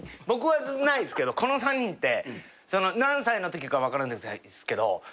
僕はないんですけどこの３人って何歳のときか分からないですけど